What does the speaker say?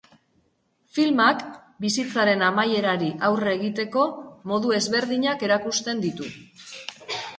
Filmak bizitzaren amaierari aurre egiteko modu ezberdinak erakusten ditu.